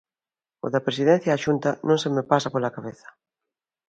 O da Presidencia á Xunta non se me pasa pola cabeza.